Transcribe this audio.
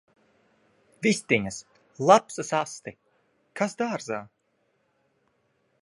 Vistiņas! Lapsas asti! Kas dārzā!